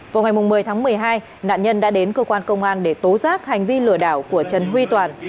vào ngày một mươi tháng một mươi hai nạn nhân đã đến cơ quan công an để tố giác hành vi lừa đảo của trần huy toàn